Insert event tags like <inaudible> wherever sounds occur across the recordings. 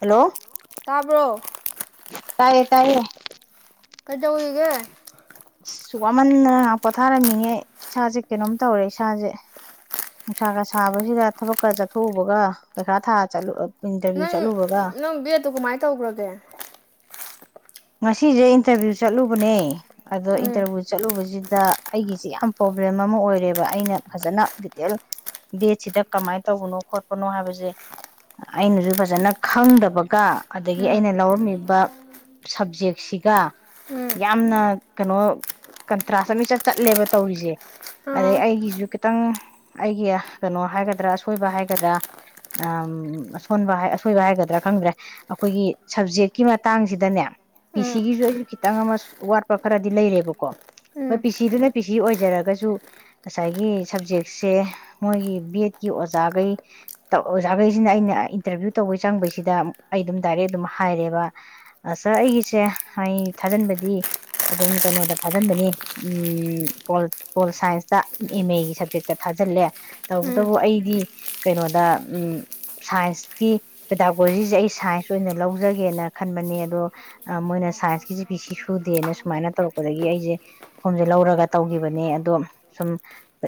hello ꯇꯥꯕ꯭ꯔꯣ ꯇꯥꯏꯌꯦ ꯇꯥꯏꯌꯦ ꯀꯩꯗꯧꯏꯑꯒꯦ ꯑꯁ ꯋꯥꯃꯟꯗꯅ ꯉꯥꯏꯍꯥꯛ ꯄꯣꯊꯥꯔꯝꯃꯤꯉꯦ ꯏꯁꯥꯁꯦ ꯀꯩꯅꯣꯝ ꯇꯧꯔꯦ ꯏꯁꯥꯁꯦ ꯅꯨꯡꯁꯥꯒ ꯁꯥꯕꯁꯤꯗ ꯊꯕꯛ ꯈꯔꯥ ꯆꯠꯊꯣꯛꯎꯕꯒ ꯄꯩꯈꯥ ꯊꯥ ꯆꯠꯂꯨ ꯑꯥ ꯅꯪ ꯅꯪ ꯕꯦꯠꯇꯨ ꯀꯃꯥꯏꯅ ꯇꯧꯈ꯭ꯔꯥꯒꯦ ꯉꯥꯁꯤꯁꯦ ꯏꯟꯇꯔꯚꯤꯌꯨ ꯆꯠꯂꯨꯕꯅꯦ ꯑꯗꯣ ꯎꯝ ꯏꯟꯇꯔꯚꯤꯌꯨ ꯆꯠꯂꯨꯕꯁꯤꯗ ꯑꯩꯒꯤꯁꯤ ꯌꯥꯝ ꯄ꯭ꯔꯣꯕ꯭ꯂꯦꯝ ꯑꯃꯥ ꯑꯣꯏꯔꯦꯕ ꯑꯩꯅ ꯐꯖꯅ ꯗꯤꯇꯦꯜ ꯕꯦꯠꯁꯤꯗ ꯀꯃꯥꯏꯅ ꯇꯧꯕꯅꯣ ꯈꯣꯠꯄꯅꯣ ꯍꯥꯏꯕꯁꯦ ꯑꯩꯅꯁꯨ ꯐꯖꯅ ꯈꯪꯗꯕꯒ ꯑꯗꯒꯤ ꯎꯝ ꯑꯩꯅ ꯂꯧꯔꯝꯃꯤꯕ ꯁꯕꯖꯦꯛꯁꯤꯒ ꯎꯝ ꯌꯥꯝꯅ ꯀꯩꯅꯣ ꯀꯟꯇ꯭ꯔꯥꯁ ꯑꯃꯢꯆꯠ ꯆꯠꯂꯦꯕ ꯇꯧꯔꯤꯁꯦ ꯑꯗꯩ ꯑꯥ ꯑꯩꯒꯤꯁꯨ ꯈꯤꯇꯪ ꯑꯩꯒꯤ ꯀꯩꯅꯣ ꯍꯥꯏꯒꯗ꯭ꯔꯥ ꯑꯁꯣꯏꯕ ꯍꯥꯏꯒꯗ꯭ꯔꯥ ꯑꯝ ꯑꯁꯣꯟꯕ ꯑꯁꯣꯏꯕ ꯍꯥꯏꯒꯗ꯭ꯔꯥ ꯈꯪꯗ꯭ꯔꯦ ꯑꯩꯈꯣꯏꯒꯤ ꯁꯕꯖꯦꯛꯀꯤ ꯃꯇꯥꯡꯁꯤꯗꯅꯦ ꯄꯤ ꯎꯝ ꯁꯤꯒꯤꯁꯨ ꯑꯩꯁꯨ ꯈꯤꯇꯪ ꯑꯃ ꯋꯥꯠꯄ ꯈꯔꯗꯤ ꯂꯩꯔꯦꯕꯀꯣ ꯃꯣꯏ ꯎꯝ ꯄꯤ ꯁꯤꯗꯨꯅ ꯄꯤ ꯁꯤ ꯑꯣꯏꯖꯔꯒꯁꯨ ꯉꯁꯥꯏꯒꯤ ꯁꯞꯖꯦꯛꯁꯦ ꯃꯣꯏꯒꯤ ꯕꯦꯠꯀꯤ ꯑꯣꯖꯥꯒꯩ ꯑꯣꯖꯥꯒꯩꯁꯤꯅ ꯑꯩꯅ ꯏꯟꯇꯔꯚꯤꯌꯨ ꯇꯧꯕꯩ ꯆꯪꯕꯩꯁꯤꯗ ꯑꯩ ꯑꯗꯨꯝ ꯗꯥꯏꯔꯦꯛ ꯑꯗꯨꯝ ꯍꯥꯏꯔꯦꯕ ꯁꯥꯔ ꯑꯩꯒꯤꯁꯦ ꯑꯩ ꯊꯥꯖꯟꯕꯗꯤ ꯑꯗꯨꯝ ꯀꯩꯅꯣꯗ ꯊꯥꯖꯤꯟꯕꯅꯤ ꯎꯝ ꯄꯣꯜ ꯁꯥꯏꯟꯁꯇ ꯑꯦꯝ ꯑꯦꯒꯤ ꯁꯕꯖꯦꯛꯇ ꯊꯥꯖꯤꯜꯂꯦ ꯎꯝ ꯇꯧꯕꯇꯕꯨ ꯑꯩꯗꯤ ꯀꯩꯅꯣꯗ ꯁꯥꯏꯟꯁꯀꯤ ꯄꯦꯇꯥꯒꯣꯖꯤꯁꯦ ꯑꯩ ꯁꯥꯏꯟꯁ ꯑꯣꯏꯅ ꯂꯧꯖꯒꯦꯅ ꯈꯟꯕꯅꯦ ꯑꯗꯣ ꯃꯣꯏꯅ ꯁꯥꯏꯟꯁꯀꯤꯁꯦ ꯄꯤ ꯁꯤ ꯁꯨꯗꯦꯅ ꯁꯨ ꯁꯨꯃꯥꯏꯅ ꯇꯧꯔꯛꯄꯗꯒꯤ ꯑꯩꯁꯦ ꯐꯣꯔꯝꯁꯦ ꯂꯧꯔꯒ ꯇꯧꯈꯤꯕꯅꯦ ꯑꯗꯣ ꯁꯨꯝ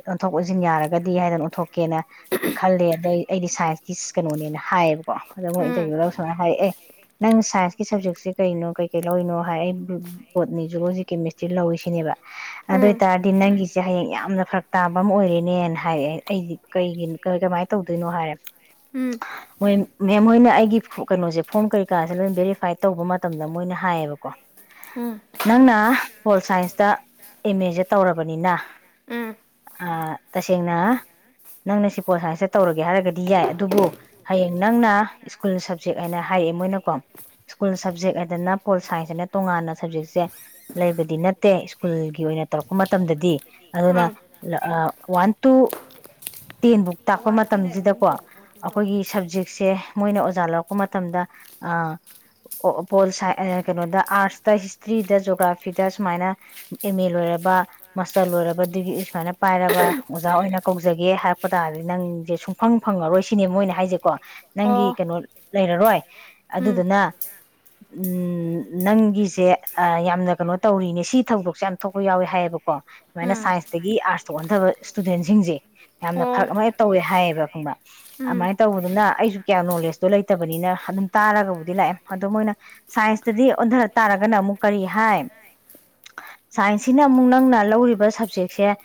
ꯑꯣꯟꯊꯣꯛ ꯑꯣꯟꯁꯤꯟ ꯌꯥꯔꯒꯗꯤ ꯍꯥꯏꯗꯅ ꯑꯣꯟꯊꯣꯛꯀꯦꯅ ꯈꯜꯂꯦ ꯑꯗꯩ ꯑꯩꯗꯤ ꯁꯥꯏꯟꯁꯀꯤ ꯀꯩꯅꯣꯅꯦꯅ ꯍꯥꯏꯌꯦꯕꯀꯣ ꯑꯗꯣ ꯃꯣꯏ ꯎꯝ ꯏꯟꯇꯔꯚꯤꯌꯨꯗ ꯁꯨꯃꯥꯏꯅ ꯍꯥꯏꯔꯛꯑꯦ ꯅꯪ ꯁꯥꯏꯟꯁꯀꯤ ꯁꯞꯖꯦꯛꯁꯦ ꯀꯩꯅꯣ ꯀꯩ ꯀꯩ ꯂꯧꯔꯤꯅꯣ ꯍꯥꯏ ꯑꯩ ꯕꯥ ꯕꯣꯠꯅꯤ ꯍꯨꯂꯣꯖꯤ ꯀꯦꯃꯦꯁꯇ꯭ꯔꯤ ꯂꯧꯋꯤꯁꯤꯅꯦꯕ ꯑꯗꯨ ꯎꯝ ꯑꯣꯏꯇꯔꯗꯤ ꯅꯪꯒꯤꯁꯦ ꯍꯌꯦꯡ ꯌꯥꯝꯅ ꯐꯔꯛ ꯇꯥꯕ ꯑꯃꯥ ꯑꯣꯏꯔꯦꯅꯦꯅ ꯍꯥꯏꯦ ꯑꯩꯗꯤ ꯀꯩꯒꯤ ꯀꯃꯥꯏꯅ ꯇꯧꯗꯣꯏꯅꯣ ꯍꯥꯏꯔꯦ ꯎꯝ ꯃꯦꯝ ꯃꯦꯝ ꯃꯣꯏꯅ ꯑꯩꯒꯤ ꯀꯩꯅꯣꯁꯦ ꯐꯣꯔꯝ ꯀꯩꯀꯥꯁꯦ ꯂꯣꯏꯅ ꯚꯦꯔꯤꯐꯥꯏꯠ ꯇꯧꯕ ꯃꯇꯝꯗ ꯃꯣꯏꯅ ꯍꯥꯏꯌꯦꯕꯀꯣ ꯎꯝ ꯅꯪꯅ ꯄꯣꯜ ꯁꯥꯏꯟꯁꯇ ꯑꯦꯝ ꯑꯦꯁꯦ ꯇꯧꯔꯕꯅꯤꯅ ꯎꯝ ꯇꯥꯁꯦꯡꯅ ꯅꯪꯅ ꯁꯤ ꯄꯣꯜ ꯁꯥꯏꯟꯁꯇ ꯇꯧꯔꯒꯦ ꯍꯥꯏꯔꯒꯗꯤ ꯌꯥꯏ ꯑꯗꯨꯕꯨ ꯍꯌꯦꯡ ꯅꯪꯅ ꯁ꯭ꯀꯨꯜ ꯁꯞꯖꯦꯛ ꯍꯥꯏꯅ ꯍꯥꯏꯑꯦ ꯃꯣꯏꯅꯀꯣ ꯁ꯭ꯀꯨꯜ ꯁꯕꯖꯦꯛ ꯍꯥꯏꯗꯅ ꯄꯣꯜ ꯁꯥꯏꯟꯁ ꯍꯥꯏꯅ ꯇꯣꯉꯥꯟꯅ ꯁꯞꯖꯦꯛꯁꯦ ꯂꯩꯕꯗꯤ ꯅꯠꯇꯦ ꯁ꯭ꯀꯨꯜꯒꯤ ꯑꯣꯏꯅ ꯇꯧꯔꯛꯄ ꯃꯇꯝꯗꯗꯤ ꯎꯝ ꯑꯗꯨꯅ ꯑꯥ ꯂꯥ ꯑꯥ ꯋꯥꯟ ꯇꯨ ꯇꯦꯟꯕꯨꯛ ꯇꯥꯛꯄ ꯃꯇꯝꯁꯤꯗꯀꯣ ꯑꯩꯈꯣꯏꯒꯤ ꯁꯞꯖꯦꯛꯁꯦ ꯃꯣꯏꯅ ꯑꯣꯖꯥ ꯂꯧꯔꯛꯄ ꯃꯇꯝꯗ ꯑꯥ ꯄꯣꯜ ꯁꯥ꯭ꯢꯁ ꯀꯩꯅꯣꯗ ꯑꯥꯔꯠꯁꯇ ꯍꯤꯁꯇ꯭ꯔꯤ ꯔꯤꯗ ꯖꯣꯒ꯭ꯔꯥꯐꯤꯗ ꯁꯨꯃꯥꯏꯅ ꯑꯦꯝ ꯑꯦ ꯂꯣꯏꯔꯕ ꯃꯥꯁꯇꯔ ꯂꯣꯏꯔꯕ ꯗꯤꯒ꯭ꯔꯤ ꯁꯨꯃꯥꯏꯅ ꯄꯥꯏꯔꯕ ꯑꯣꯖꯥ ꯑꯣꯏꯅ ꯀꯧꯖꯒꯦ ꯍꯥꯏꯔꯛꯄ ꯇꯥꯔꯗꯤ ꯅꯪꯁꯦ ꯁꯨꯡꯐꯪ ꯐꯪꯉꯥꯔꯣꯏ ꯁꯤꯅꯦ ꯃꯣꯏꯅ ꯍꯥꯏꯁꯦꯀꯣ ꯑꯣ ꯅꯪꯒꯤ ꯀꯩꯅꯣ ꯂꯩꯔꯔꯣꯏ ꯎꯝ ꯑꯗꯨꯗꯨꯅ ꯅꯪꯒꯤꯁꯦ ꯑꯥ ꯌꯥꯝꯅ ꯀꯩꯅꯣ ꯇꯧꯔꯤꯅꯦ ꯁꯤ ꯊꯧꯗꯣꯛꯁꯦ ꯌꯥꯥꯝ ꯊꯣꯛꯄ ꯌꯥꯎꯋꯦ ꯍꯥꯏꯌꯦꯕꯀꯣ ꯁꯨꯃꯥꯏꯅ ꯎꯝ ꯁꯥꯏꯟꯁꯇꯒꯤ ꯑꯥꯔꯠꯁꯇ ꯑꯣꯟꯊꯕ ꯁꯇꯨꯗꯦꯟꯁꯤꯡꯁꯦ ꯌꯥꯝꯅ ꯑꯣ ꯐꯔꯛ ꯑꯃꯥꯏ ꯇꯧꯋꯦ ꯍꯥꯏꯌꯦꯕ ꯈꯪꯕ ꯎꯝ ꯑꯗꯨꯃꯥꯏꯅ ꯇꯧꯕꯗꯨꯅ ꯑꯩꯁꯨ ꯀꯌꯥ ꯅꯣꯂꯦꯖꯇꯣ ꯂꯩꯇꯕꯅꯤꯅ ꯑꯗꯨꯝ ꯇꯥꯔꯒꯕꯨꯗꯤ ꯂꯥꯛꯑꯦ ꯑꯗꯣ ꯃꯣꯏꯅ ꯁꯥꯏꯟꯁꯇꯗꯤ ꯑꯣꯟꯗ ꯇꯥꯔꯒꯅ ꯑꯃꯨꯛ ꯀꯔꯤ ꯍꯥꯏ ꯁꯥꯏꯟꯁ ꯁꯤꯅ ꯑꯃꯨꯛ ꯅꯪꯅ ꯂꯧꯔꯤꯕ ꯁꯕꯖꯦꯛꯁꯦ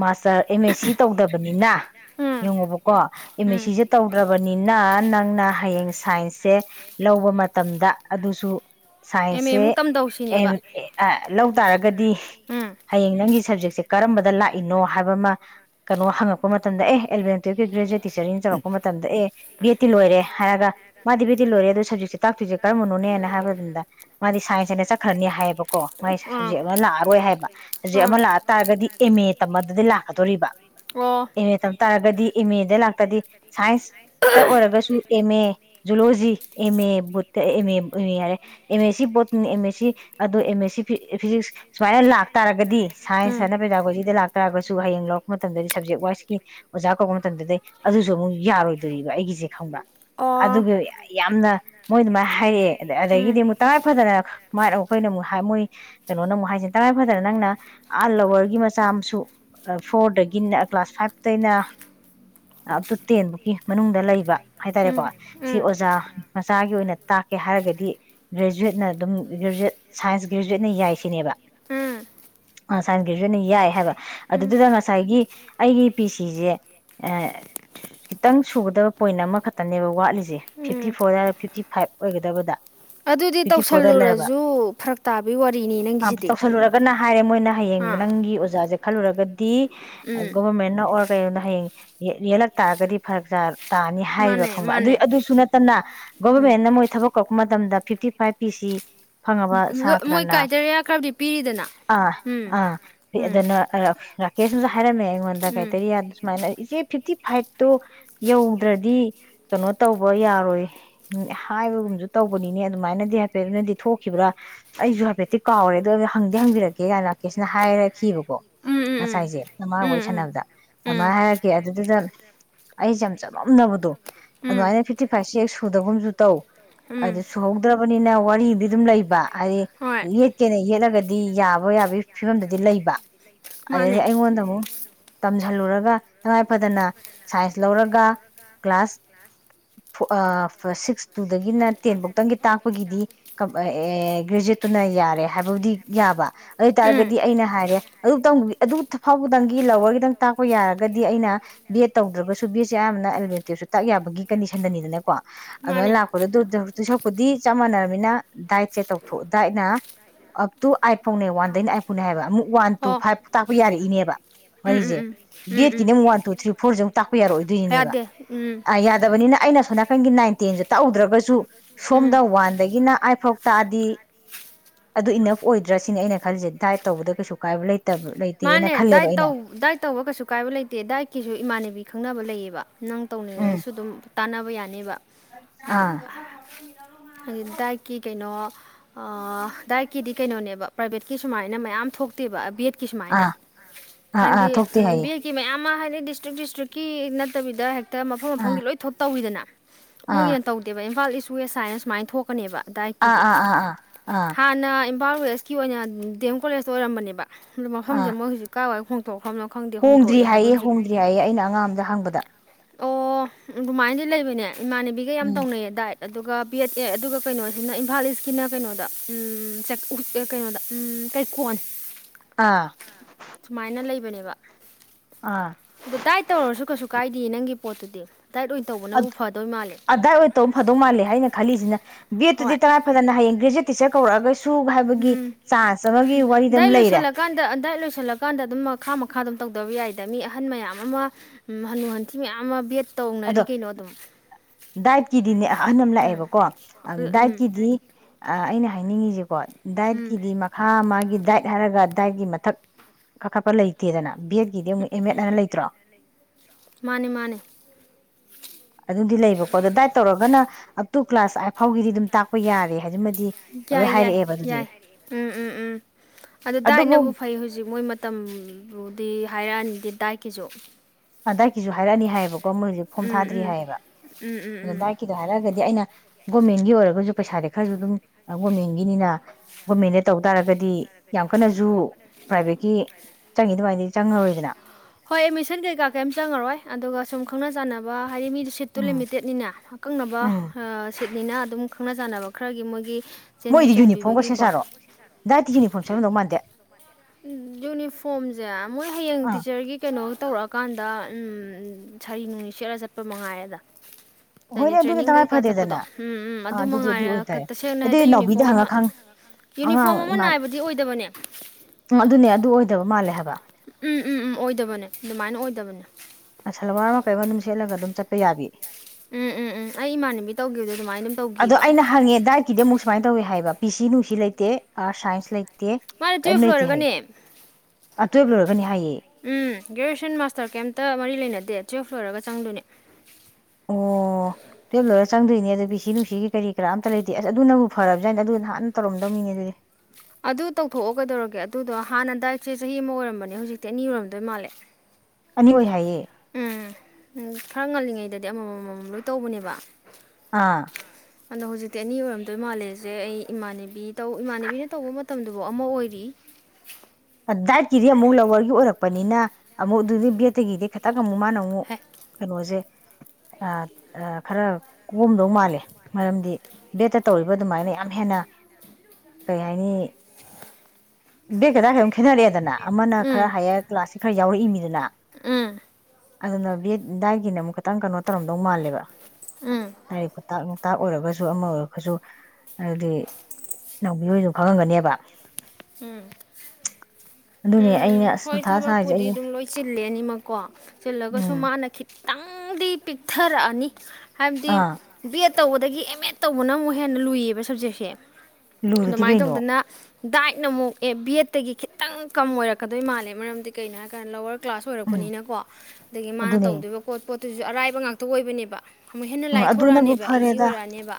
ꯃꯥꯁꯇꯔ ꯑꯦꯝ ꯑꯦꯁ ꯁꯤ ꯇꯧꯗꯕꯅꯤꯅ ꯎꯝ ꯌꯦꯡꯉꯨꯕꯀꯣ ꯑꯦꯝ ꯑꯦꯁ ꯎꯝ ꯁꯤꯁꯦ ꯇꯧꯗ꯭ꯔꯕꯅꯤꯅ ꯅꯪꯅ ꯍꯌꯦꯡ ꯁꯥꯏꯟꯁꯁꯦ ꯂꯧꯕ ꯃꯇꯝꯗ ꯑꯗꯨꯁꯨ ꯑꯦꯝ ꯁꯥꯏꯟꯁꯦ ꯑꯦꯃꯨꯛ ꯇꯝꯗꯧ ꯑꯦꯝ ꯁꯤꯅꯦꯕ ꯑꯦ ꯑꯥ ꯂꯧ ꯇꯥꯔꯒꯗꯤ ꯎꯝ ꯍꯌꯦꯡ ꯅꯪꯒꯤ ꯁꯞꯖꯦꯛꯁꯦ ꯀꯔꯝꯕꯗ ꯂꯥꯛꯏꯅꯣ ꯍꯥꯏꯕ ꯑꯃ ꯀꯩꯅꯣ ꯍꯪꯉꯛꯄ ꯃꯇꯝꯗ ꯑꯦ ꯑꯦꯂꯚꯦꯟ ꯇꯨꯋꯜꯞꯀꯤ ꯒ꯭ꯔꯦꯖꯨꯋꯦꯠ ꯇꯤꯆꯔꯤꯡ ꯆꯧꯔꯛꯄ ꯃꯇꯝꯗ ꯑꯦ ꯕꯦꯠ ꯇꯤ ꯂꯣꯏꯔꯦ ꯍꯥꯏꯔꯒ ꯃꯥꯗꯤ ꯕꯦꯠ ꯇꯤ ꯂꯣꯏꯔꯦ ꯑꯗꯨ ꯁꯞꯖꯦꯛꯁꯦ ꯇꯥꯛꯇ꯭ꯔꯤꯁꯦ ꯀꯔꯝꯕꯅꯣꯅꯦꯅ ꯍꯥꯏꯕ ꯃꯇꯝꯗ ꯃꯥꯗꯤ ꯁꯥꯏꯟꯁ ꯍꯦꯟꯅ ꯆꯠꯈ꯭ꯔꯅꯤ ꯍꯥꯏꯌꯦꯕꯀꯣ ꯃꯥꯏ ꯑꯥ ꯁꯞꯖꯦꯛ ꯑꯃ ꯂꯥꯛꯑꯔꯣꯏ ꯍꯥꯏꯌꯦꯕ ꯁꯞꯖꯦꯛ ꯑꯥ ꯑꯃ ꯂꯥꯛ ꯇꯥꯔꯒꯗꯤ ꯑꯦꯝ ꯑꯦ ꯇꯝꯃꯗꯗꯤ ꯂꯥꯛꯀꯥꯗꯧꯔꯤꯕ ꯑꯣ ꯇꯥꯔꯒꯗꯤ ꯑꯦꯝ ꯑꯦꯗ ꯂꯥꯛꯇꯤꯗꯤ ꯁꯥꯏꯟꯁꯇ ꯑꯣꯏꯔꯒꯁꯨ M A zoology M A ꯕꯣꯠꯇ ꯑꯦꯝ ꯑꯦ ꯌꯥꯔꯦ ꯑꯦꯝ ꯑꯦ ꯁꯤ ꯕꯣꯠ ꯎꯝ ꯑꯦꯝ ꯑꯦ ꯁꯤ ꯑꯗꯣ ꯑꯦꯝ ꯑꯦ ꯁꯤ ꯐꯤꯖꯤꯛꯁ ꯁꯨꯃꯥꯏꯅ ꯂꯥꯛꯇꯥꯥꯔꯒꯗꯤ ꯎꯝ ꯁꯥꯏꯟꯁ ꯍꯥꯏꯅ ꯕꯦꯗꯥꯒꯣꯖꯤꯗ ꯂꯥꯛꯇꯥꯥꯔꯒꯁꯨ ꯍꯌꯦꯡ ꯂꯧꯔꯛꯄ ꯃꯇꯝꯗꯗꯤ ꯁꯞꯖꯦꯛ ꯋꯥꯏꯁꯀꯤ ꯑꯣꯖꯥ ꯀꯧꯔꯛꯄ ꯃꯇꯝꯗꯗꯤ ꯑꯗꯨꯁꯨ ꯑꯃꯨꯛ ꯌꯥꯔꯣꯏꯗꯣꯔꯤꯕ ꯑꯩꯒꯤꯁꯦ ꯈꯪꯕ꯭ꯔꯥ ꯑꯣ ꯎꯝ ꯎꯝ ꯑꯗꯨꯒ ꯌꯥꯝꯅ ꯃꯣꯏ ꯑꯗꯨꯃꯥꯏꯅ ꯍꯥꯏꯔꯛꯑꯦ ꯑꯗꯒꯤꯗꯤ ꯑꯃꯨꯛ ꯇꯉꯥꯏ ꯐꯗꯅ ꯃꯥꯢꯗꯣ ꯑꯩꯈꯣꯏꯅ ꯑꯃꯨꯛ ꯍꯥꯏ ꯃꯣꯢ ꯀꯩꯅꯣꯅ ꯑꯃꯨꯛ ꯍꯥꯏꯁꯦ ꯇꯉꯥꯏ ꯐꯗꯅ ꯅꯪꯅ ꯑꯥ ꯂꯣꯋꯔꯒꯤ ꯃꯆꯥ ꯃꯁꯨ ꯐꯣꯔꯗꯒꯤꯅ ꯀ꯭ꯂꯥꯁ ꯐꯥꯏꯚꯇꯩꯅ ꯑꯞ ꯇꯨ ꯇꯦꯟꯕꯨꯛꯀꯤ ꯃꯅꯨꯡꯗ ꯂꯩꯕ ꯍꯥꯏ ꯇꯔꯦꯀꯣ ꯁꯤ ꯎꯝ ꯑꯣꯖꯥ ꯃꯆꯥꯒꯤ ꯑꯣꯏꯅ ꯇꯥꯛꯀꯦ ꯍꯥꯏꯔꯒꯗꯤ ꯒ꯭ꯔꯦꯖꯨꯋꯦꯠꯅ ꯑꯗꯨꯝ ꯒ꯭ꯔꯦꯖꯨꯋꯦꯠ ꯁꯥꯏꯟꯁ ꯒ꯭ꯔꯦꯖꯨꯋꯦꯠꯅ ꯌꯥꯏ ꯁꯤꯅꯦꯕ ꯎꯝ ꯁꯥꯏꯟꯁ ꯒ꯭ꯔꯦꯖꯨꯋꯦꯠꯅ ꯌꯥꯏ ꯍꯥꯏꯕ ꯎꯝ ꯑꯗꯨꯗꯨꯗ ꯉꯁꯥꯏꯒꯤ ꯑꯩꯒꯤ ꯄꯤ ꯁꯤꯁꯦ ꯑꯦ ꯈꯤꯇꯪ ꯁꯨꯒꯗꯕ ꯄꯣꯏꯟ ꯑꯃꯥꯈꯛꯇꯅꯦꯕ ꯋꯥꯠꯂꯤꯁꯦ ꯐꯤꯐꯇꯤ ꯎꯝ ꯐꯣꯔ ꯍꯥꯏꯔ ꯐꯤꯐꯇꯤ ꯐꯥꯏꯚ ꯑꯣꯏꯒꯗꯕꯗ ꯑꯗꯨꯗꯤ ꯐꯤꯐꯇꯤ ꯐꯣꯔꯗ ꯂꯩꯔꯕ ꯇꯧꯁꯜꯂꯨꯔꯁꯨ ꯐꯔꯛ ꯇꯥꯕꯤ ꯋꯥꯔꯤꯅꯤ ꯅꯪꯒꯤꯁꯤꯗꯤ ꯇꯧꯁꯜꯂꯨꯔꯒꯅ ꯍꯥꯏꯔꯦ ꯃꯣꯏꯅ ꯍꯌꯦꯡ ꯑꯥ ꯅꯪꯒꯤ ꯑꯣꯖꯥꯁꯦ ꯈꯜꯂꯨꯔꯒꯗꯤ ꯎꯝ ꯒꯣꯕꯔꯃꯦꯟꯅ ꯑꯣꯔ ꯀꯩꯅꯣꯅ ꯍꯌꯦꯡ ꯌꯦꯠ ꯌꯦꯠꯂꯛ ꯇꯥꯔꯒꯗꯤ ꯐꯥꯔꯛ ꯇꯥ ꯇꯥꯅꯤ ꯍꯥꯏꯔꯤꯕ ꯃꯥꯅꯦ ꯈꯪꯕ꯭ꯔꯥ ꯃꯥꯅꯦ ꯑꯗꯨꯏ ꯑꯗꯨꯁꯨ ꯅꯠꯇꯅ ꯎꯝ ꯒꯣꯚꯔꯃꯦꯟꯅ ꯃꯣꯏ ꯊꯕꯛ ꯀꯧꯔꯛꯄ ꯃꯇꯝꯗ ꯐꯤꯞꯇꯤ ꯐꯥꯏꯚ ꯄꯤ ꯁꯤ ꯐꯪꯉꯥꯕ ꯃꯣꯏ ꯁꯥꯇ꯭ꯔꯅ ꯀꯥꯏꯗꯔꯤꯌꯥ ꯈꯔꯕꯨꯗꯤ ꯄꯤꯔꯤꯗꯅ ꯑꯥ ꯎꯝ ꯑꯥ ꯎꯝ ꯑꯗꯨꯅ ꯀꯦꯁꯟꯁꯨ ꯍꯥꯏꯔꯃꯦ ꯋꯥꯟꯗ ꯀꯥ꯭ꯢꯇꯔꯤ ꯌꯥꯗ꯭ꯔꯤ ꯁꯨꯃꯥꯢꯅ ꯑꯩ ꯏꯆꯤꯞ ꯐꯤꯐꯇꯤ ꯐꯥꯏꯐꯇꯣ ꯌꯧꯗ꯭ꯔꯗꯤ ꯀꯩꯅꯣ ꯇꯧꯕ ꯌꯥꯔꯣꯏ ꯍꯥꯏꯕꯒꯨꯝꯁꯨ ꯇꯧꯕꯅꯤꯅꯦ ꯑꯗꯨꯃꯥꯏꯅꯗꯤ ꯍꯥꯏꯐꯦꯠꯅꯗꯤ ꯊꯣꯛꯈꯤꯕ꯭ꯔꯥ ꯑꯩꯁꯨ ꯍꯥꯏꯐꯦꯠꯇꯤ ꯀꯥꯎꯔꯦ ꯑꯗꯨꯗꯣ ꯍꯪꯗꯤ ꯍꯪꯕꯤꯔꯛꯀꯦ ꯀꯥꯏꯅ ꯔꯥꯀꯦꯁꯅ ꯍꯥꯏꯔꯛꯈꯤꯕꯀꯣ ꯎꯝ ꯎꯝ ꯉꯁꯥꯏꯁꯦ ꯃꯥꯒꯥ ꯎꯝ ꯋꯥꯔꯤ ꯎꯝ ꯁꯥꯟꯅꯕꯗ ꯎꯝ ꯎꯝ ꯑꯗꯨꯃꯥꯏꯅ ꯍꯥꯏꯔꯛꯀꯦ ꯑꯗꯨꯗꯨꯗ ꯑꯩꯁꯦ ꯌꯥꯝ ꯆꯃꯝꯅꯕꯗꯣ ꯎꯝ ꯎꯝ ꯑꯗꯨꯃꯥꯏꯅ ꯐꯤꯐꯇꯤ ꯐꯥꯏꯚꯁꯦ ꯍꯦꯛ ꯁꯨꯗꯒꯨꯝꯁꯨ ꯇꯧ ꯑꯗꯨ ꯎꯝ ꯁꯨꯍꯧꯗ꯭ꯔꯕꯅꯤꯅ ꯋꯥꯔꯤꯗꯤ ꯑꯗꯨꯝ ꯂꯩꯕ ꯍꯥꯏꯗꯤ ꯍꯣꯏ ꯌꯦꯠꯀꯦꯅ ꯌꯦꯠꯂꯒꯗꯤ ꯌꯥꯕ ꯌꯥꯕꯒꯤ ꯐꯤꯕꯝꯗꯨꯗꯤ ꯂꯩꯕ ꯃꯥꯅꯦ ꯑꯗꯩ ꯑꯩꯉꯣꯟꯗ ꯑꯃꯨꯛ ꯇꯝꯁꯤꯜꯂꯨꯔꯒ ꯇꯉꯥꯏ ꯐꯗꯅ ꯁꯥꯏꯟꯁ ꯂꯧꯔꯒ ꯀ꯭ꯂꯥꯁ ꯐꯣ ꯑ ꯁꯤꯛꯁ ꯇꯨꯗꯒꯤꯅ ꯇꯦꯟꯐꯧꯇꯪꯒꯤ ꯇꯥꯛꯄꯒꯤꯗꯤ ꯒ꯭ꯔꯦꯖꯨꯌꯦꯠꯇꯨꯅ ꯌꯥꯔꯦ ꯍꯥꯏꯕꯕꯨꯗꯤ ꯌꯥꯕ ꯑꯗꯨ ꯎꯝ ꯑꯣꯏꯇꯥꯥꯔꯒꯗꯤ ꯑꯩꯅ ꯍꯥꯏꯔꯦ ꯑꯗꯨ ꯑꯗꯨ ꯐꯥꯎꯕꯗꯪꯒꯤ ꯂꯋꯥꯔꯒꯤꯗꯪ ꯇꯥꯛꯄ ꯌꯥꯔ ꯍꯥꯏꯔꯒꯗꯤ ꯑꯩꯅ ꯕꯤ ꯑꯦꯗ ꯇꯧꯗ꯭ꯔꯒꯁꯨ ꯕꯤ ꯑꯦꯗꯁꯦꯑꯌꯥꯝꯕꯅ ꯑꯦꯂꯕꯦꯟ ꯇꯨꯌꯦꯞꯁꯨ ꯇꯥꯛ ꯌꯥꯕꯒꯤ ꯀꯟꯗꯤꯁꯟꯗꯅꯤꯗꯅꯀꯣ ꯃꯥꯅꯦ ꯑꯗꯨꯃꯥꯏꯅ ꯂꯥꯛꯄꯗ ꯑꯗꯨ ꯇꯧꯗꯣꯏ ꯁꯔꯨꯛꯄꯨꯗꯤ ꯆꯞ ꯃꯥꯟꯅꯔꯕꯅꯤꯅ ꯗꯥꯏꯠꯁꯦ ꯇꯧꯊꯣꯛ ꯗꯥꯏꯠꯅ ꯑꯞ ꯇꯨ ꯑꯥꯏꯠ ꯐꯥꯎꯅꯦ ꯋꯥꯟꯗꯩꯅ ꯑꯥꯏꯠ ꯐꯥꯎꯅꯦ ꯍꯥꯏꯕ ꯑꯃꯨꯛ ꯋꯥꯟ ꯇꯨ ꯑꯣ ꯐꯥꯏꯚ ꯐꯥꯎ ꯇꯥꯛꯄ ꯌꯥꯔꯛꯏꯅꯦꯕ ꯎꯝ ꯎꯝ ꯋꯥꯔꯤꯁꯦ ꯎꯝ ꯕꯤ ꯎꯝ ꯑꯦꯠ ꯎꯝ ꯀꯤꯗꯤ ꯑꯃꯨꯛ ꯋꯥꯟ ꯇꯨ ꯊ꯭ꯔꯤ ꯐꯣꯔꯁꯦ ꯑꯃꯨꯛ ꯇꯥꯛꯄ ꯌꯥꯔꯛꯑꯣꯏꯗꯣꯏꯅꯦꯕ ꯌꯥꯗꯦ ꯎꯝ ꯌꯥꯗꯕꯅꯤꯅ ꯑꯩꯅ ꯁꯣꯝ ꯅꯥꯀꯟꯒꯤ ꯅꯥꯏꯟ ꯇꯦꯟꯁꯦ ꯇꯥꯛꯎꯗ꯭ꯔꯒꯁꯨ ꯎꯝ ꯁꯣꯝꯗ ꯋꯥꯟꯗꯒꯤꯅ ꯑꯥꯏꯠꯐꯥꯎ ꯇꯥꯛꯑꯗꯤ ꯑꯗꯨ ꯏꯅꯐ ꯑꯣꯏꯗ꯭ꯔꯥ ꯁꯤꯅꯤ ꯑꯩꯅ ꯈꯜꯂꯤꯁꯦ ꯗꯥꯏꯠ ꯇꯧꯕꯗ ꯀꯩꯁꯨ ꯀꯥꯏꯕ ꯂꯩꯇꯦ ꯃꯥꯅꯦ ꯗꯥꯏꯠ ꯇꯧ ꯗꯥꯏꯠ ꯇꯧꯕ ꯀꯩꯁꯨ ꯀꯥꯏꯕ ꯂꯩꯇꯦ ꯗꯥꯏꯠꯀꯤꯁꯨ ꯏꯃꯥꯟꯅꯕꯤ ꯈꯪꯅꯕ ꯂꯩꯌꯦꯕ ꯅꯪ ꯎꯝ ꯇꯧꯅꯤꯡꯉꯒꯁꯨ ꯑꯗꯨꯝ ꯇꯥꯟꯅꯕ ꯌꯥꯅꯤꯕ ꯑꯥ ꯗꯥꯏꯠꯀꯤ ꯀꯩꯅꯣ ꯗꯥꯏꯠꯀꯤꯗꯤ ꯀꯩꯅꯣꯅꯦꯕ ꯄ꯭ꯔꯥꯏꯚꯦꯠꯀꯤ ꯁꯨꯃꯥꯏꯅ ꯃꯌꯥꯝ ꯊꯣꯛꯇꯦꯕ ꯕꯤꯠ ꯁꯨꯃꯥꯏꯅ ꯑꯥ ꯑꯥ ꯍꯥꯏꯗꯤ ꯑꯥ ꯊꯣꯛꯇꯦ ꯍꯥꯏꯌꯦ ꯕꯤꯑꯦꯠꯀꯤ ꯃꯌꯥꯝ ꯑꯃ ꯍꯥꯏ ꯗꯤꯁꯇ꯭ꯔꯤꯛ ꯗꯤꯁꯇ꯭ꯔꯤꯛꯀꯤ ꯅꯠꯇꯕꯤꯗ ꯍꯦꯛ ꯃꯐꯝ ꯑꯥ ꯃꯐꯝꯒꯤ ꯂꯣꯏꯊꯣꯛ ꯇꯧꯋꯤꯗꯅ ꯑꯥ ꯃꯣꯏꯒꯤꯅ ꯇꯧꯗꯦꯕ ꯏꯝꯐꯥꯜ ꯏꯁ ꯁꯨꯋꯦꯁ ꯍꯥꯏꯅ ꯁꯨꯃꯥꯏꯅ ꯊꯣꯛꯀꯅꯦꯕ ꯗꯥꯏꯠꯀꯤꯗꯤꯑꯥ ꯑꯥ ꯑꯥ ꯍꯥꯟꯅ ꯏꯝꯐꯥꯜ ꯋꯦꯁꯀꯤ ꯑꯣꯏꯅ ꯗꯤ ꯑꯦꯝ ꯀꯣꯂꯦꯖꯇ ꯑꯣꯏꯔꯝꯕꯅꯦꯕ ꯑꯗꯣ ꯃꯐꯝꯁꯦ ꯑꯥ ꯃꯣꯏ ꯍꯧꯖꯤꯛ ꯀꯥꯏꯋꯥꯏ ꯍꯣꯡ ꯇꯣ ꯐꯝꯂꯧ ꯍꯣꯡꯗ꯭ꯔꯤ ꯍꯥꯏꯑꯦ ꯍꯣꯡꯗ꯭ꯔꯤ ꯍꯥꯏꯑꯦ ꯑꯩꯅ ꯑꯉꯥꯡ ꯑꯝꯗ ꯍꯪꯕꯗ ꯑꯗꯨꯨꯃꯥꯏꯅꯗꯤ ꯂꯩꯕꯅꯦ ꯏꯃꯥꯟꯅꯕꯤꯒ ꯌꯥꯝ ꯎꯝ ꯇꯧꯅꯩꯌꯦ ꯗꯥꯏꯠ ꯑꯗꯨꯒ ꯕꯤ ꯑꯦꯠ ꯑꯦ ꯑꯗꯨꯒ ꯀꯩꯅꯣꯁꯤꯅ ꯏꯝꯐꯥꯜ ꯏꯁꯀꯤꯅ ꯀꯩꯅꯣꯗ ꯎꯝ ꯀꯩꯅꯣꯗ ꯎꯝ ꯀꯩꯀꯣꯟ ꯑꯥ ꯁꯨꯃꯥꯏꯅ ꯂꯩꯕꯅꯦ ꯋꯥ ꯑꯥ ꯑꯗꯣ ꯗꯥꯏꯠ ꯇꯧꯔꯁꯨ ꯀꯩꯁꯨ ꯀꯥꯏꯗꯦ ꯅꯪꯒꯤ ꯄꯣꯠꯇꯨꯗꯤ ꯗꯥꯏꯠ ꯑꯣꯏꯅ ꯑꯠ ꯇꯧꯕꯅꯕꯨ ꯐꯗꯣꯏ ꯃꯥꯜꯂꯦ ꯑꯗꯥꯏꯠ ꯑꯣꯏ ꯇꯧ ꯐꯗꯧ ꯃꯥꯜꯂꯦ ꯍꯥꯏꯅ ꯈꯜꯂꯤꯁꯤꯅ ꯍꯣꯏ ꯕꯤꯑꯦꯠꯇꯨꯗꯤ ꯇꯉꯥꯏ ꯐꯗꯅ ꯍꯌꯦꯡ ꯒ꯭ꯔꯦꯖꯨꯋꯦꯠ ꯇꯤꯆꯔ ꯀꯧꯔꯛꯑꯒ ꯁ ꯎꯝ ꯋꯥꯔꯤꯗ ꯗꯥꯏꯠ ꯑꯃ ꯂꯩꯔꯦ ꯂꯣꯏꯁꯜꯂꯀꯥꯟꯗ ꯗꯥꯏꯠ ꯂꯣꯏꯁꯤꯜꯂꯀꯥꯟꯗ ꯑꯗꯨꯝ ꯃꯈꯥ ꯃ ꯃꯈꯥ ꯑꯗꯨꯝ ꯇꯧꯗꯕ ꯌꯥꯏꯗ ꯃꯤ ꯑꯍꯟ ꯃꯌꯥꯝ ꯑꯃ ꯎꯝ ꯍꯟꯅꯨ ꯍꯟꯊꯤ ꯃꯌꯥꯝ ꯑꯃ ꯕꯦꯠ ꯑꯗꯣ ꯗꯥꯏꯠꯀꯤꯗꯤꯅꯦ ꯑꯍꯟ ꯑꯝ ꯎꯝ ꯂꯥꯛꯑꯦꯕꯀꯣ ꯑꯝ ꯎꯝ ꯗꯥꯏꯠꯀꯤꯗꯤ ꯑ ꯑꯩꯅ ꯍꯥꯏꯅꯤꯡꯉꯤꯁꯤꯀꯣ ꯎꯝ ꯗꯥꯏꯠꯀꯤꯗꯤ ꯃꯈꯥ ꯃꯥ ꯒꯤ ꯗꯥꯏꯠ ꯍꯥꯏꯔꯒ ꯗꯥꯏꯠꯀꯤ ꯃꯊꯛ ꯀꯥꯈꯠꯄ ꯂꯩꯇꯦꯗꯅ ꯕꯤ ꯑꯦꯗꯀꯤꯗꯤ ꯑꯃꯨꯛ ꯑꯦꯝ ꯑꯦꯗ ꯍꯥꯏꯅ ꯂꯩꯇ꯭ꯔꯣ ꯃꯥꯅꯦ ꯃꯥꯅꯦ ꯑꯗꯨꯗꯤ ꯂꯩꯕꯀꯣ ꯑꯗꯣ ꯗꯥꯏꯠ ꯇꯧꯔꯒꯅ ꯑꯞ ꯇꯨ ꯀ꯭ꯂꯥꯁ ꯑꯥꯏꯚ ꯐꯥꯎꯒꯤꯗꯤ ꯑꯗꯨꯝ ꯇꯥꯛꯄ ꯌꯥꯔꯦ ꯍꯥꯏꯖꯃ ꯌꯥꯏ ꯌꯥꯏ ꯌꯥꯏ ꯎꯝ ꯎꯝ ꯎꯝ ꯑꯗꯨ ꯑꯗꯨꯕꯨ ꯗꯥꯏꯠꯅꯕꯨ ꯐꯩ ꯍꯧꯖꯤꯛ ꯃꯣꯏ ꯃꯇꯝꯕꯨꯗꯤ ꯍꯥꯏꯔꯛꯑꯅꯤ ꯗꯤ ꯗꯥꯏꯠ ꯀꯤꯁꯨ ꯑ ꯗꯥꯏꯠꯀꯤꯁꯨ ꯍꯥꯏꯔꯛꯑꯅꯤ ꯍꯥꯏꯌꯦꯕ ꯀꯣ ꯃꯣꯏꯁꯨ ꯐꯣꯝ ꯎꯝ ꯊꯥꯗ꯭ꯔꯤ ꯎꯝ ꯍꯥꯏꯌꯦꯕ ꯎꯝ ꯎꯝ ꯑꯗꯣ ꯎꯝ ꯗꯥꯏꯛꯀꯤꯗꯣ ꯍꯥꯏꯔꯛꯑꯒꯗꯤ ꯑꯩꯅ ꯒꯣꯔꯃꯦꯟꯒꯤ ꯑꯣꯏꯔꯒꯁꯨ ꯄꯩꯁꯥꯗꯤ ꯈꯔꯁꯨ ꯑꯗꯨꯝ ꯑ ꯒꯣꯔꯃꯦꯟꯒꯤꯅꯤꯅ ꯒꯣꯔꯃꯦꯟꯗ ꯇꯧ ꯇꯥꯔꯒꯗꯤ ꯌꯥꯝ ꯀꯟꯅꯁꯨ ꯄ꯭ꯔꯥꯏꯚꯦꯠꯀꯤ ꯆꯪꯉꯤ ꯗꯨꯃꯥꯏꯅꯗꯤ ꯆꯪꯉꯔꯣꯏꯗꯅ ꯍꯣꯏ ꯑꯦꯗꯃꯤꯁꯟ ꯀꯩꯀꯥ ꯀꯩꯝ ꯆꯪꯉꯔꯣꯏ ꯑꯗꯨꯒ ꯁꯨꯝ ꯈꯪꯅ ꯆꯥꯟꯅꯕ ꯍꯥꯏꯗꯤ ꯃꯤꯗꯨ ꯁꯤꯠꯇꯨ ꯎꯝ ꯂꯤꯃꯤꯇꯦꯠꯅꯤꯅ ꯑꯀꯛꯅꯕ ꯎꯝ ꯑ ꯁꯤꯠꯅꯤꯅ ꯑꯗꯨꯝ ꯈꯪꯅ ꯆꯥꯟꯅꯕ ꯈꯔꯒꯤ ꯃꯣꯏꯒꯤ ꯆꯦꯟꯕꯤ ꯃꯣꯏꯗꯤ ꯌꯨꯅꯤꯐꯣꯔꯝꯒ ꯆꯣꯡꯕꯤꯕꯒꯤꯀꯣ ꯁꯦꯠꯆꯥꯔꯣ ꯗꯥꯏꯠꯇꯤ ꯌꯨꯅꯤꯐꯣꯔꯝ ꯁꯦꯠꯂꯝꯗꯧ ꯃꯥꯟꯗꯦ ꯎ ꯌꯨꯅꯤꯐꯣꯔꯝꯁꯦ ꯃꯣꯏ ꯍꯌꯦꯡ ꯑꯥ ꯇꯤ ꯒꯤ ꯀꯩꯅꯣ ꯇꯧꯔꯛꯑꯀꯥꯟꯗ ꯎꯨꯝ ꯁꯥꯔꯤ ꯅꯨꯡꯔꯤ ꯁꯦꯠꯂ ꯆꯠꯄ ꯃꯉꯥꯏꯔꯦꯗ ꯍꯣꯏꯅꯦ ꯍꯥꯏꯗꯤ ꯑꯗꯨꯗꯤ ꯇ꯭ꯔꯦꯅꯤꯡ ꯇꯉꯥꯏ ꯀꯩꯀꯥ ꯐꯗꯦꯗꯅ ꯆꯠꯄꯗꯣ ꯎꯝ ꯎꯝ ꯑ ꯑꯗꯨꯗꯤ ꯑꯗꯨ ꯃꯉꯥꯏꯔꯦ ꯑꯣꯏꯇꯥꯏ ꯇꯁꯦꯡꯅ ꯍꯥꯏꯗꯤ ꯍꯦꯛꯇ ꯅꯥꯎꯕꯤꯗ ꯌꯨꯅꯤꯐꯣꯔꯝ ꯍꯪꯉ ꯑꯃ ꯈꯪꯅꯤ ꯑꯉꯥꯡ ꯌꯨꯅꯤꯐꯣꯔꯝ ꯑꯃ ꯏꯃꯥꯅ ꯅꯥꯏꯕꯗꯤ ꯑꯣꯏꯗꯕꯅꯦ ꯎꯝ ꯑꯗꯨꯅꯦ ꯑꯗꯨ ꯑꯣꯏꯗꯕ ꯃꯥꯜꯂꯦ ꯍꯥꯏꯕ ꯎꯝ ꯎꯝ ꯎꯝ ꯑꯣꯏꯗꯕꯅꯦ ꯑꯗꯨꯃꯥꯏꯅ ꯑꯣꯏꯗꯕꯅꯦ ꯑꯁꯂꯋꯥꯔ ꯑꯃ ꯀꯩ ꯑꯃ ꯑꯗꯨꯝ ꯁꯦꯠꯂꯒ ꯑꯗꯨꯝ ꯆꯠꯄ ꯌꯥꯕꯤ ꯎꯝ ꯎꯝ ꯎꯝ ꯑꯩ ꯏꯃꯥꯟꯅꯕꯤ ꯇꯧꯈꯤꯕꯗꯨ ꯑꯗꯣ ꯑꯩꯅ ꯍꯪꯉꯦ ꯗꯥꯏꯠꯀꯤꯗꯤ ꯑꯃꯨꯛ ꯁꯨꯃꯥꯏꯅ ꯇꯧꯋꯤ ꯍꯥꯏꯕ ꯄꯤ ꯁꯤ ꯅꯨꯡꯁꯤ ꯂꯩꯇꯦ ꯑꯥꯔ ꯁꯥꯏꯟꯁ ꯂꯩ ꯃꯥꯅꯦ ꯇꯨꯋꯦꯞ ꯂꯣꯏꯔꯒꯅꯦ ꯑ ꯇꯨꯌꯦꯜꯞ ꯂꯣꯏꯔꯒꯅꯤ ꯍꯥꯏꯌꯦ ꯎꯝ ꯒ꯭ꯔꯦꯖꯨꯌꯦꯁꯟ ꯃꯥꯁꯇꯔ ꯀꯩꯝꯇ ꯃꯔꯤ ꯂꯩꯅꯗꯦ ꯇꯨꯋꯦꯞ ꯂꯣꯏꯔꯒ ꯆꯪꯗꯣꯏꯅꯦ ꯑꯣ ꯇꯨꯋꯦꯞ ꯂꯣꯏꯔ ꯆꯪꯗꯣꯏꯅꯦ ꯑꯗꯨ ꯄꯤ ꯁꯤ ꯅꯨꯡꯁꯤꯒꯤ ꯀꯔꯤ ꯀꯔꯥ ꯑꯝꯇ ꯂꯩꯇꯦ ꯑꯁ ꯑꯗꯨꯅꯕꯨ ꯐꯔꯕꯖꯥꯠꯅꯦ ꯑꯗꯨ ꯅꯍꯥꯟꯅ ꯇꯧꯔꯝꯗꯧꯅꯤꯅꯦ ꯑꯗꯨꯗꯤ ꯑꯗꯨ ꯇꯧꯊꯣꯛꯑꯣ ꯀꯩꯗꯧꯔꯒꯦ ꯑꯗꯨꯗꯣ ꯍꯥꯟꯅ ꯗꯥꯏꯠꯁꯦ ꯆꯍꯤ ꯑꯃ ꯑꯣꯏꯔꯝꯕꯅꯦ ꯍꯧꯖꯤꯛꯇꯤ ꯑꯅꯤ ꯑꯣꯏꯔꯝꯗꯣꯏ ꯃꯥꯜꯂꯦ ꯑꯅꯤ ꯑꯣꯏ ꯍꯥꯏꯌꯦ ꯎꯝ ꯎꯝ ꯈꯔ ꯉꯜꯂꯤꯉꯩꯗꯗꯤ ꯑꯃꯃꯝ ꯑꯃꯃꯝ ꯂꯣꯏ ꯇꯧꯕꯅꯦꯕ ꯑꯥ ꯑꯗꯣ ꯍꯧꯖꯤꯛꯇꯤ ꯑꯅꯤ ꯑꯣꯏꯔꯝꯗꯣꯏ ꯃꯥꯜꯂꯦꯖꯦ ꯑꯩ ꯏꯃꯥꯟꯅꯕꯤ ꯇꯧ ꯏꯃꯥꯟꯅꯕꯤꯅ ꯇꯧꯕ ꯃꯇꯝꯗꯨꯕꯥꯎ ꯑꯃ ꯑꯣꯏꯔꯤ ꯑ ꯗꯥꯏꯠꯀꯤꯗꯤ ꯑꯃꯨꯛ ꯂꯧꯋ꯭ꯔꯒꯤ ꯑꯣꯏꯔꯛ ꯄꯅꯤꯅ ꯑꯃꯨꯛ ꯑꯗꯨꯗꯤ ꯕꯤ ꯑꯦꯠꯇꯒꯤꯗꯤ ꯈꯇꯪ ꯅꯪ ꯑꯃꯨꯛ ꯃꯥꯅ ꯑꯃꯨꯛ ꯍꯦ ꯀꯩꯅꯣꯁꯦ ꯑ ꯑ ꯈꯔ ꯀꯣꯝꯗꯧ ꯃꯥꯜꯂꯦ ꯃꯔꯝꯗꯤ ꯕꯦꯠꯇ ꯇꯧꯔꯤꯕ ꯑꯗꯨꯃꯥꯏꯅ ꯌꯥꯝ ꯍꯦꯟꯅ ꯀꯩ ꯍꯥꯏꯅꯤ ꯕꯦꯠ ꯀꯗ ꯈꯦꯠꯅꯔꯛꯑꯦꯗꯅ ꯑꯃꯅ ꯈꯔ ꯎꯝ ꯍꯥꯏꯌꯔ ꯀ꯭ꯂꯥꯁꯁꯤ ꯈꯔ ꯌꯥꯎꯔꯛꯏꯝꯃꯤꯗꯨꯅ ꯎꯝ ꯑꯗꯨꯅ ꯕꯦꯠ ꯗꯥꯏꯒꯤꯅꯦ ꯑꯃꯨꯛ ꯈꯇꯪ ꯀꯩꯅꯣ ꯇꯧꯔꯝꯗꯧ ꯃꯥꯜꯂꯦꯕ ꯎꯝ <unintelligible> ꯇꯥꯛ ꯑꯣꯏꯔꯒꯁꯨ ꯑꯃ ꯑꯣꯏꯔꯒꯁꯨ ꯍꯥꯏꯗꯤ ꯅꯥꯎꯕꯤ ꯍꯣꯏꯗꯣ ꯈꯪꯉꯝꯒꯅꯦꯕ ꯎꯝ ꯑꯗꯨꯅꯦ ꯎꯝ ꯑꯩꯅ ꯑꯁ ꯍꯣꯏ ꯃꯊꯥ ꯁꯥꯏꯁꯦ ꯊꯕꯛꯄꯨꯗꯤ ꯑꯩꯁꯦ ꯑꯗꯨꯝ ꯂꯣꯏ ꯆꯤꯜꯂꯦ ꯑꯅꯤꯃꯛꯀꯣ ꯆꯤꯜꯂꯒꯁꯨ ꯎꯝ ꯃꯥꯅ ꯈꯤ ꯈꯤꯇꯪꯗꯤ ꯄꯤꯛꯊꯔꯛꯑꯅꯤ ꯍꯥꯏꯕꯗꯤ ꯑꯥ ꯕꯤ ꯑꯦꯠ ꯇꯧꯕꯗꯒꯤ ꯑꯦꯝ ꯑꯦꯠ ꯇꯧꯕꯅ ꯑꯃꯨꯛ ꯍꯦꯟꯅ ꯂꯨꯏꯌꯦꯕ ꯁꯞꯖꯦꯛꯁꯦ ꯂꯨꯗꯨꯗꯤ ꯑꯗꯨꯃꯥꯏ ꯀꯩꯅꯣ ꯇꯧꯗꯅ ꯗꯥꯏꯠ ꯅ ꯑꯃꯨꯛ ꯑꯦ ꯕꯤꯑꯦꯠꯇꯒꯤ ꯈꯤꯇꯪ ꯀꯝ ꯑꯣꯏꯔꯛꯀꯗꯣꯏ ꯃꯥꯜꯂꯦ ꯃꯔꯝꯗꯤ ꯀꯩꯅꯣ ꯍꯥꯏꯔꯀꯥꯟꯗ ꯂꯧꯋꯔ ꯀ꯭ꯂꯥꯁ ꯎꯝ ꯑꯣꯏꯔꯛꯄꯅꯤꯅꯀꯣ ꯑꯗꯒꯤ ꯃꯥꯅ ꯑꯗꯨꯅꯦ ꯇꯧꯗꯣꯏꯕ ꯄꯣꯠ ꯄꯣꯠ ꯑꯗꯨꯁꯨ ꯑꯔꯥꯏꯕ ꯉꯥꯛꯇ ꯑꯣꯏꯕꯅꯦꯕ ꯑꯃꯨꯛ ꯍꯦꯟꯅ ꯎꯝ ꯑꯗꯨꯅꯕꯨ ꯂꯥꯏꯊꯣꯔꯛꯑꯅꯦꯕ ꯏꯖꯤ ꯐꯔꯦꯗ ꯑꯣꯏꯔꯛꯑꯅꯦꯕ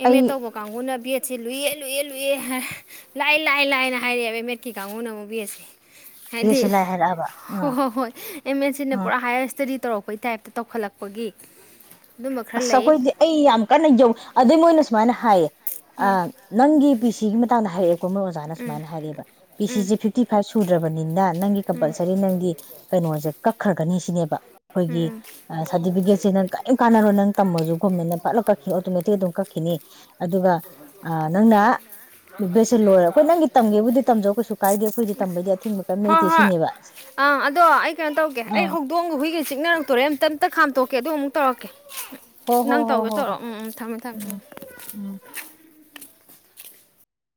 ꯑꯦꯝ ꯑꯩ ꯑꯦꯠ ꯇꯧꯕ ꯀꯥꯡꯒꯨꯅ ꯕꯤ ꯑꯦꯠ ꯆꯦ ꯂꯨꯏꯌꯦ ꯂꯨꯏꯌꯦ ꯂꯨꯏꯌꯦ ꯍꯥꯏ ꯂꯥꯏ ꯂꯥꯏ ꯂꯥꯏꯑꯅ ꯍꯥꯏꯔꯛꯑꯦꯕ ꯑꯦꯝ ꯑꯦꯠꯀꯤ ꯀꯥꯡꯕꯒꯨꯅ ꯑꯃꯨꯛ ꯕꯤꯑꯦꯠꯁꯦ ꯕꯦꯠ ꯍꯥꯏꯗꯤ ꯁꯤꯂꯥꯏ ꯍꯥꯏꯔꯛꯑꯕ ꯑꯥ ꯍꯣ ꯍꯣ ꯍꯣꯏ ꯑꯦꯝ ꯑꯦꯠꯁꯤꯅ ꯑꯥ ꯄꯨꯔꯥ ꯍꯥꯏꯋ꯭ꯔ ꯏꯁꯇꯥꯗꯤ ꯇꯧꯔꯛꯄꯩ ꯇꯥꯏꯞꯇ ꯇꯧꯈꯠꯂꯛꯄꯒꯤ ꯑꯗꯨꯝꯕ ꯈꯔ ꯑꯁ ꯂꯩ ꯑꯩꯈꯣꯏꯗꯤ ꯑꯩ ꯌꯥꯝ ꯀꯟꯅ ꯌꯧ ꯑꯗꯩ ꯃꯣꯏꯅ ꯁꯨꯃꯥꯏꯅ ꯍꯥꯏꯌꯦ ꯑ ꯅꯪꯒꯤ ꯄꯤꯁ ꯇꯤꯒꯤ ꯃꯇꯥꯡꯗ ꯍꯥꯏꯔꯛꯑꯦ ꯀꯣ ꯃꯣꯏ ꯑꯣꯖꯥꯅ ꯁꯨꯃꯥꯏꯅ ꯍꯥꯏꯔꯛꯑꯦꯕ ꯄꯤ ꯁꯤꯁꯦ ꯐꯤꯐꯇꯤ ꯐꯥꯏꯚ ꯁꯨꯗ꯭ꯔꯕꯅꯤꯅ ꯅꯪꯒꯤ ꯀꯝꯄꯜꯁꯔꯤ ꯅꯪꯒꯤ ꯀꯩꯅꯣꯁꯦ ꯀꯛꯈ꯭ꯔꯒꯅꯤ ꯁꯤꯅꯦꯕ ꯑꯩꯈꯣꯏꯒꯤ ꯑ ꯁꯥꯔꯇꯤꯐꯤꯀꯦꯠꯁꯦ ꯅꯪ ꯀꯩꯔꯤꯝ ꯀꯥꯟꯅꯔꯣ ꯅꯪ ꯇꯝꯃꯁꯨ ꯒꯣꯔꯃꯦꯟꯅ ꯐꯠꯂꯥꯎ ꯀꯛꯈꯤꯅꯤ ꯑꯣꯇꯣꯃꯦꯇꯤꯛ ꯑꯗꯨꯝ ꯀꯛꯈꯤꯅꯤ ꯑꯗꯨꯒ ꯑ ꯅꯪꯅ ꯕꯦꯡ ꯁꯦ ꯂꯣꯏꯔ ꯈꯣꯏ ꯅꯪꯒꯤ ꯇꯝꯒꯦꯕꯨꯗꯤ ꯇꯝꯖꯧ ꯀꯩꯁꯨ ꯀꯥꯏꯗꯦ ꯑꯩꯈꯣꯏꯗꯤ ꯇꯝꯕꯩꯗꯤ ꯑꯊꯤꯡꯕ ꯀꯔꯤꯝ ꯍꯣꯏ ꯂꯩꯇꯦ ꯍꯣꯏ ꯁꯤꯅꯦꯕ ꯑꯪ ꯑꯗꯣ ꯑꯩ ꯀꯩꯅꯣ ꯇꯧꯒꯦ ꯑꯩ ꯑꯥ ꯀꯦ ꯑꯗꯨ ꯑꯃꯨꯛ ꯇꯧꯔꯛꯀꯦ ꯍꯣ ꯍꯣ ꯅꯪ ꯍꯣ ꯇꯧꯒꯦ ꯍꯣ ꯇꯧꯔꯣ ꯍꯣꯏ ꯎꯝ ꯎꯝ ꯊꯝꯃꯦ ꯊꯝꯃꯦ ꯎꯝ ꯎꯝ